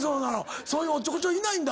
そういうおっちょこちょいいないんだ？